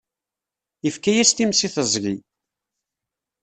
Ifka-yas times i teẓgi.